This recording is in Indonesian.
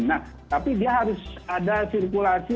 nah tapi dia harus ada sirkulasi